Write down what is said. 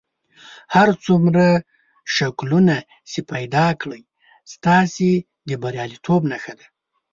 هر څومره شکلونه چې پیدا کړئ ستاسې د بریالیتوب نښه ده.